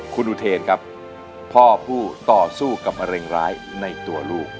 คุณอุเทนครับพ่อผู้ต่อสู้กับมะเร็งร้ายในตัวลูก